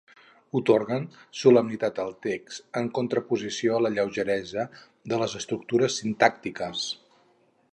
Atorguen solemnitat al text, en contraposició a la lleugeresa de les estructures sintàctiques.